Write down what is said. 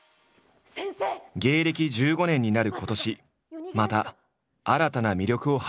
芸歴１５年になる今年また新たな魅力を発揮している。